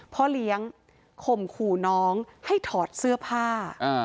พ่อเลี้ยงข่มขู่น้องให้ถอดเสื้อผ้า